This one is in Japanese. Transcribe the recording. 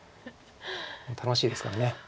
楽しいですから。